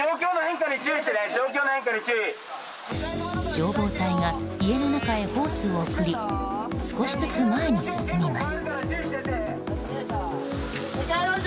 消防隊が家の中へホースを送り少しずつ前に進みます。